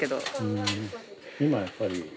今やっぱり。